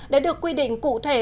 đã được quy định cụ thể